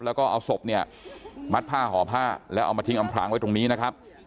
แล้วก็เอาศพเนี่ยมัดผ้าห่อผ้าแล้วเอามาทิ้งอำพรางไว้ตรงนี้นะครับ